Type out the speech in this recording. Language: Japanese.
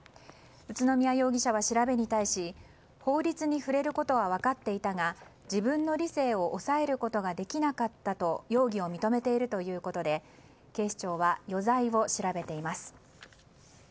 宇都宮容疑者は調べに対し法律に触れることは分かっていたが自分の理性を抑えることができなかったと容疑を認めているということで警視庁は余罪を調べています。